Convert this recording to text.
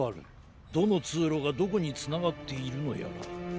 どのつうろがどこにつながっているのやら。